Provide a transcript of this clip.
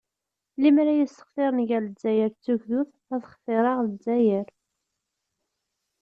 "Limer ad iyi-ssextiṛen gar Lezzayer d tugdut, ad xtireɣ Lezzayer."